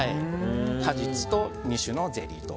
果実と２種のゼリーと。